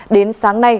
đến sáng nay